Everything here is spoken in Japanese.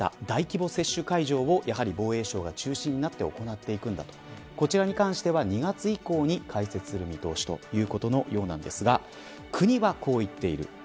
大規模接種会場をやはり防衛省が中心となって行っていくんだというこちらに関しては２月以降に開設する見通しということですが国は、こう言っている。